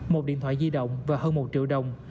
một điện thoại di động và hơn một triệu đồng